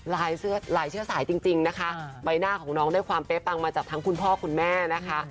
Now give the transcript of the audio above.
ลายเสื้อลายเสื้อสายจริงนะคะใบหน้าของน้องได้ความเป๊ะปังมาจากทั้งคุณพ่อคุณแม่นะคะ